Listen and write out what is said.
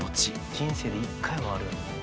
人生で１回はある。